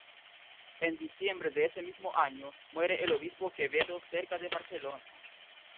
En diciembre de ese mismo año muere el obispo Quevedo cerca de Barcelona.